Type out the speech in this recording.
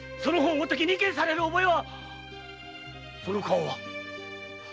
ごときに意見される覚えはその顔は上様？